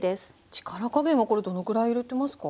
力加減はこれどのくらい入れてますか？